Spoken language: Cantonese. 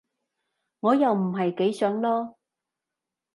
我又唔係幾想囉